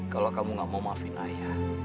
kalau kamu gak mau maafin ayah